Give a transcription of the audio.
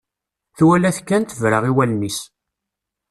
Twala-t kan, tebra i wallen-is.